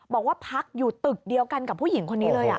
บอกว่าพักอยู่ตึกเดียวกันกับผู้หญิงคนนี้เลย